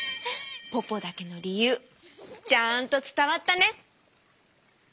ポポだけのりゆうちゃんとつたわったね。